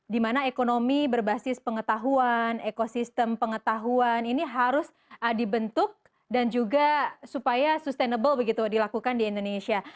dimana ekonomi berbasis pengetahuan ekosistem pengetahuan ini harus dibentuk dan juga supaya sustainable begitu dilakukan di indonesia